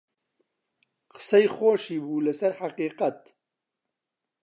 قسەی خۆشی بوو لەسەر حەقیقەت